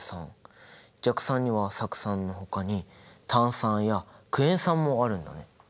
弱酸には酢酸のほかに炭酸やクエン酸もあるんだね。